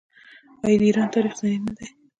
آیا د ایران تاریخ زرین نه دی؟